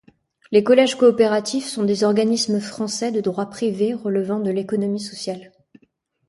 Les collèges coopératifs sont des organismes français de droit privé relevant de l'économie sociale.